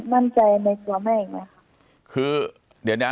หนูไม่รู้จะมั่นใจในตัวแม่อีกไหมครับ